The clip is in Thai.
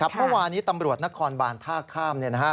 เมื่อวานี้ตำรวจนครบานท่าข้าม